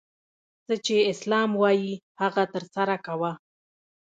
څه چي اسلام وايي هغه ترسره کوه!